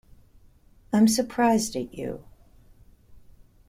I'm surprised at you.